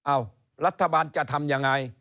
รัฐบาลจะทำยังไง